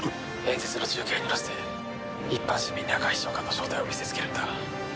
演説の中継にのせて一般市民に赤石長官の正体を見せつけるんだ。